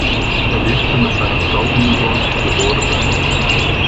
Er lebte mit seiner Frau Ingeborg, geb.